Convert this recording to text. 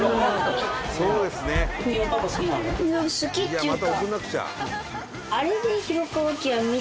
好きっていうか。